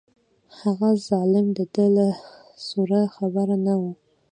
هغه ظالم د ده له سوره خبر نه و.